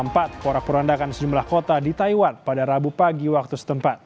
porak porandakan sejumlah kota di taiwan pada rabu pagi waktu setempat